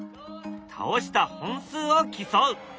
倒した本数を競う。